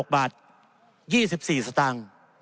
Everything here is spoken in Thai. ๖บาท๒๔สตางค์